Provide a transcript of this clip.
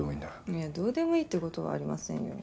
いやどうでもいいって事はありませんよ。